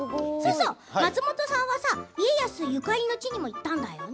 松本さんは家康ゆかりの地にも行ったんだよね。